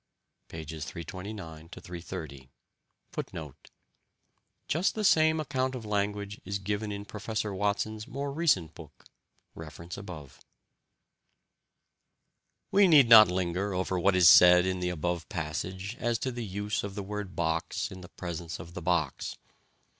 "(pp. 329 330).* * Just the same account of language is given in Professor Watson's more recent book (reference above). We need not linger over what is said in the above passage as to the use of the word "box" in the presence of the box.